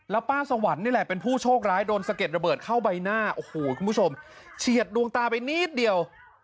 แล้วป้าสวรรค์นี่แหละเป็นผู้โชคร้ายโดนสะเก็ดระเบิดเข้าใบหน้าโอ้โหคุณผู้ชมเฉียดดวงตาไปนิดเดียว